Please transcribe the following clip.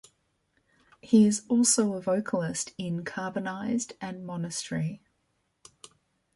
He is also a vocalist in Carbonized and Monastery.